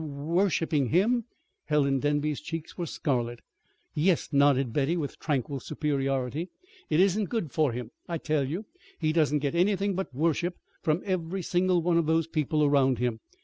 "W worshiping him!" Helen Denby's cheeks were scarlet. "Yes," nodded Betty, with tranquil superiority. "It isn't good for him, I tell you. He doesn't get anything but worship from every single one of those people around him.